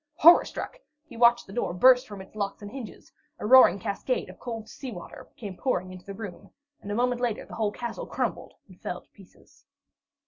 Horror struck, he watched the door burst from its locks and hinges; a roaring cascade of cold sea water came pouring in the room, and a moment later the whole castle crumbled and fell to pieces.